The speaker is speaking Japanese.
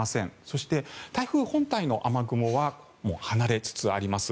そして、台風本体の雨雲はもう離れつつあります。